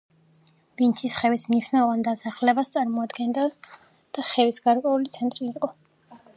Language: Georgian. ვანთისხევის მნიშვნელოვან დასახლებას წარმოადგენდა და ხევის გარკვეული ცენტრი იყო.